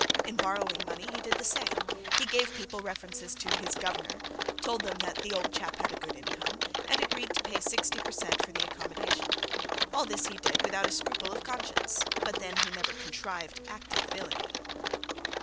In borrowing money he did the same; he gave people references to 'his governor', told them that the 'old chap' had a good income; and agreed to pay sixty per cent for the accommodation. All this he did without a scruple of conscience; but then he never contrived active villainy.